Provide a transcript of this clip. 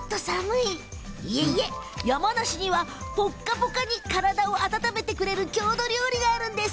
いえいえ、山梨にはポカポカに体を温めてくれる郷土料理があるんです。